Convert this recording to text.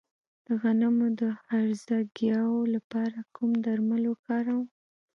د غنمو د هرزه ګیاوو لپاره کوم درمل وکاروم؟